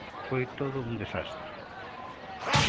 Foi todo un desastre.